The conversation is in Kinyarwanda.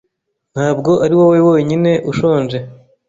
Ntabwo ari wowe wenyine ushonje